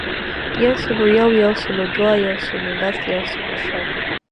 یوسلویو, یوسلودوه, یوسلولس, یوسلوشل